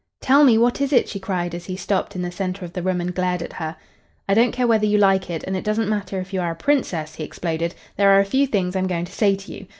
"Tell me! What is it?" she cried, as he stopped in the center of the room and glared at her. "I don't care whether you like it and it doesn't matter if you are a Princess," he exploded, "there are a few things I'm going to say to you.